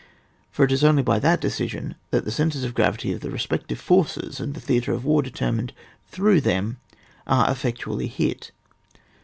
For it is only by that decision that the centres of gravity of the respec tive forces, and the theatre of war deter mined through them are effectually hit.